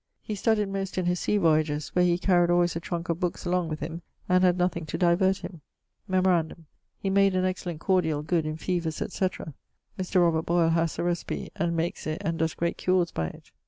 He studyed most in his sea voyages, where he carried always a trunke of bookes along with him, and had nothing to divert him. Memorandum: he made an excellent cordiall, good in feavers, etc.; Mr. Robert Boyle haz the recipe, and makes it and does great cures by it.